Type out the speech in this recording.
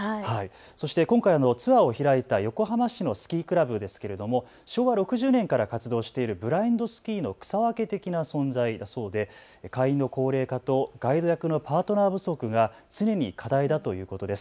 そして今回のツアーを開いた横浜市のスキークラブですけど昭和６０年から活動しているブラインドスキーの草分け的な存在だそうで会員の高齢化とガイド役のパートナー不足が常に課題だということです。